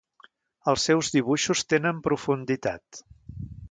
Els seus dibuixos tenen profunditat.